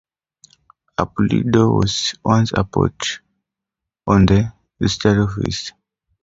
Appledore was once a port on the estuary of the River Rother.